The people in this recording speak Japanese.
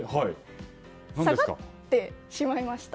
下がってしまいました。